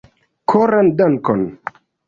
Koran dankon